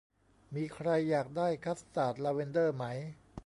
มีใครอยากได้คัสตาร์ดลาเวนเดอร์ไหม